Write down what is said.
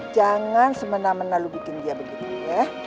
jangan semena mena lo bikin dia begitu ya